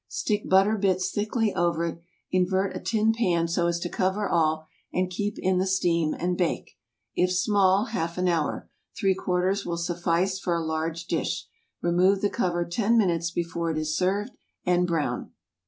Stick butter bits thickly over it; invert a tin pan so as to cover all and keep in the steam, and bake—if small, half an hour; three quarters will suffice for a large dish. Remove the cover ten minutes before it is served, and brown.